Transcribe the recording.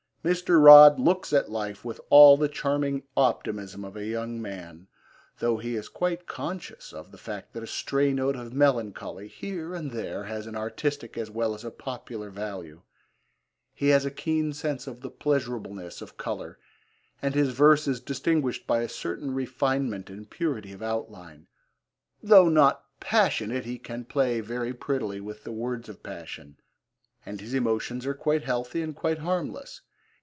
Mr. Rodd looks at life with all the charming optimism of a young man, though he is quite conscious of the fact that a stray note of melancholy, here and there, has an artistic as well as a popular value; he has a keen sense of the pleasurableness of colour, and his verse is distinguished by a certain refinement and purity of outline; though not passionate he can play very prettily with the words of passion, and his emotions are quite healthy and quite harmless.